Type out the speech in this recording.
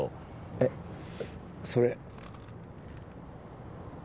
えっそれ